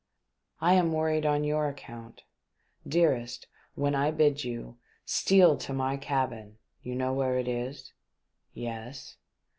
I am worried on your account. Dearest, when I bid you, steal to my cabin — you know where it is ?" "Yes."